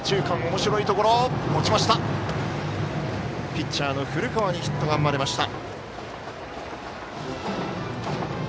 ピッチャーの古川にヒットが生まれました。